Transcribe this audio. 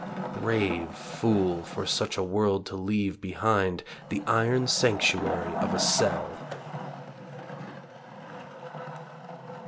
Brave fool, for such a world to leave behind The iron sanctuary of a cell!